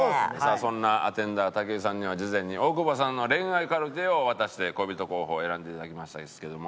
そんなアテンダー武井さんには事前に大久保さんの恋愛カルテを渡して恋人候補を選んでいただきましたんですけども。